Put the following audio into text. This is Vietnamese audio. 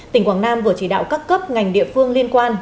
tỉnh quảng nam vừa chỉ đạo các cấp ngành địa phương liên quan